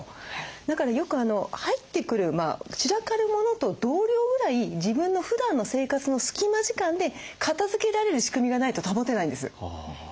だからよく入ってくる散らかるモノと同量ぐらい自分のふだんの生活の隙間時間で片づけられる仕組みがないと保てないんです。